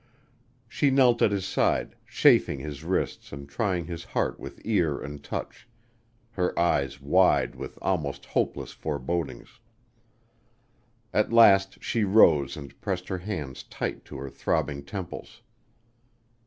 She knelt at his side, chafing his wrists and trying his heart with ear and touch her eyes wide with almost hopeless forebodings. At last she rose and pressed her hands tight to her throbbing temples.